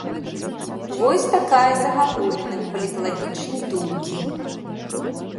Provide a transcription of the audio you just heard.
Вось такая загагуліна паліталагічнай думкі.